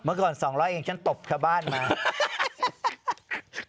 เมื่อก่อน๒๐๐เองฉันตบชาวบ้านมา